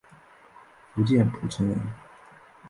福建浦城人。